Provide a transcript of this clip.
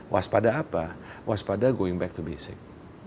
waspada apa waspada going back to basic